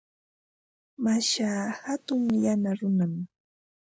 Mashaa hatun yana runam.